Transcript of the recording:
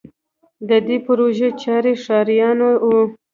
د دې پروژې چارې ښاریانو او